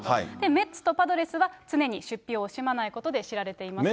メッツとパドレスは常に出費を惜しまないことで知られていますよ